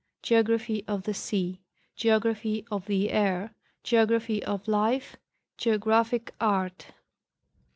Geography of the Sea. Geography of the Air. Geography of Life. Geographic Art.